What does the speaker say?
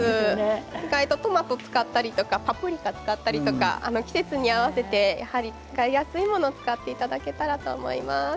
トマトを使ったりパプリカを使ったり季節に合わせて使いやすいものを使っていただけたらと思います。